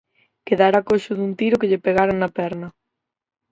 Quedara coxo dun tiro que lle pegaran na perna.